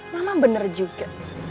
mama bener juga